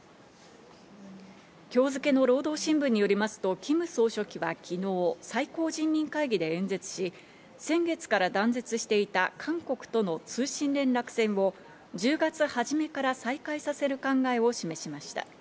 今日付の労働新聞によりますと、キム総書記は昨日、最高人民会議で演説し、先月から断絶していた韓国との通信連絡線を１０月初めから再開させる考えを示しました。